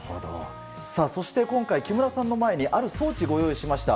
そして今回、木村さんの前にある装置をご用意しました。